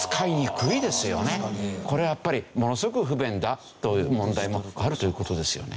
これはやっぱりものすごく不便だと問題もあるという事ですよね。